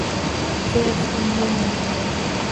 Féach an leon!